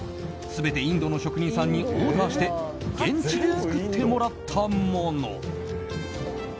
全てインドの職人さんにオーダーして現地で作ってもらったもの。